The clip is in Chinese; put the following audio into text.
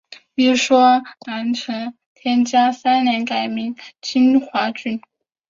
一说南陈天嘉三年改名金华郡。